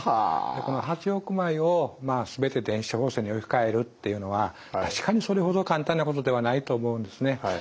この８億枚をすべて電子処方箋に置き換えるっていうのは確かにそれほど簡単なことではないと思うんですね。